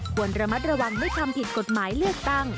ควรระมัดระวังไม่ทำผิดกฎหมายเลือกตั้ง